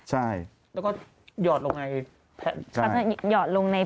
แล้วก็หยอดลงในเฟส